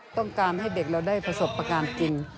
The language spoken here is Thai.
ต้องการให้เด็กเราได้ประสบการณ์จริง